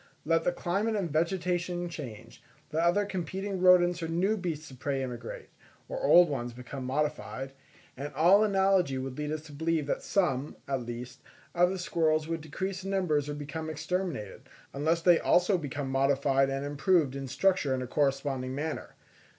Let the climate and vegetation change, let other competing rodents or new beasts of prey immigrate, or old ones become modified, and all analogy would lead us to believe that some, at least, of the squirrels would decrease in numbers or become exterminated, unless they also become modified and improved in structure in a corresponding manner.